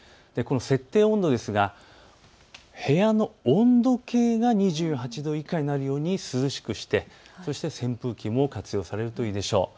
設定温度は部屋の温度計が２８度以下になるように涼しくして扇風機も活用されるといいでしょう。